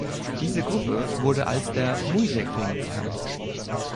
Diese Gruppe wurde als der Muiderkring bekannt.